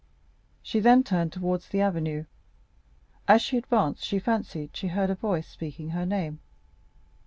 30327m She then turned towards the avenue. As she advanced she fancied she heard a voice speaking her name.